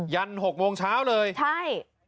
ัน๖โมงเช้าเลยใช่